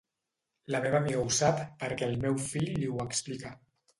La meva amiga ho sap perquè el meu fill li ho explica.